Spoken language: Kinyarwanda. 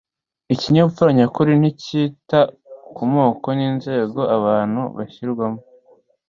Ikinyabupfura nyakuri nticyita ku moko n’inzego abantu bashyirwamo